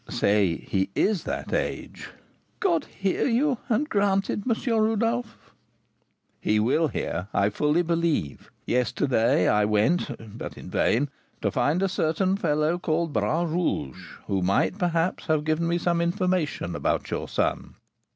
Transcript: "Say he is that age " "God hear you, and grant it, M. Rodolph." "He will hear, I fully believe. Yesterday I went (but in vain) to find a certain fellow called Bras Rouge who might, perhaps, have given me some information about your son.